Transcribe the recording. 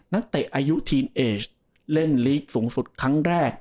นักตัวอายุอ่ะอยู่ทีนเอจเล่นลีกสูงสุดครั้งแรกอืม